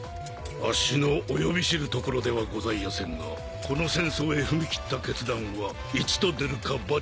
あっしのおよび知るところではございやせんがこの戦争へ踏み切った決断は一と出るか八と出るか。